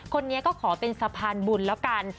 คนนี้ก็ขอเป็นสะพานบุญแล้วกัน